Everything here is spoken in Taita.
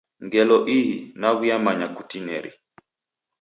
Ngelo ihi, naw'uyamanya kutinieri.